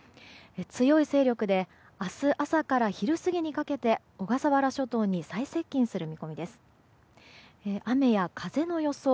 強い勢力で明日朝から昼過ぎにかけて小笠原諸島に最接近する見込みです。